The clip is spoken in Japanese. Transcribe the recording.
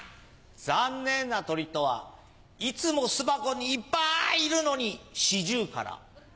残念な鳥とはいつも巣箱にいっぱいいるのにシジュウカラ。